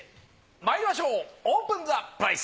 まいりましょうオープンザプライス。